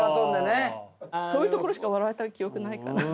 そういうところしか笑われた記憶ないかな。